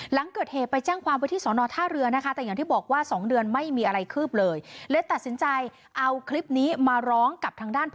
หลังเกิดเหตุไปแจ้งความวิทย์สอนอท่าเรือนะคะ